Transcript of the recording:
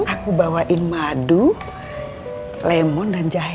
aku bawain madu lemon dan jahe